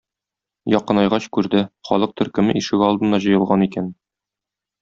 Якынайгач күрде: халык төркеме ишегалдына җыелган икән.